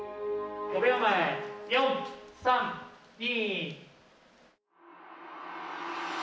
５秒前４・３・２。